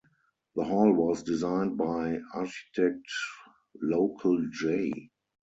The hall was designed by architect local J.